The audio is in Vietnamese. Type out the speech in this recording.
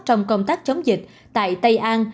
trong công tác chống dịch tại tây an